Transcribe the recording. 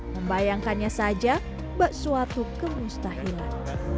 membayangkannya saja bak suatu kemustahilan